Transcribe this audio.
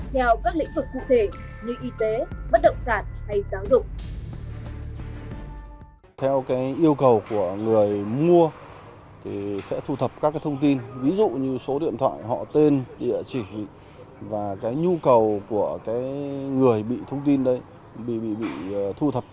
theo các lĩnh vực cụ thể như y tế bất động sản hay giáo dục